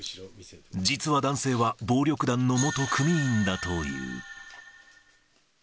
実は男性は、暴力団の元組員だという。